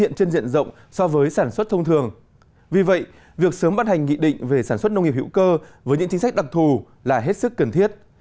nhiều trường hợp vi phạm về nông nghiệp hữu cơ với những chính sách đặc thù là hết sức cần thiết